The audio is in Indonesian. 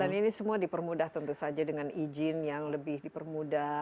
dan ini semua dipermudah tentu saja dengan izin yang lebih dipermudah